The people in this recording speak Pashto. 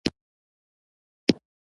د پیرود ځای کې ښه فضا وه.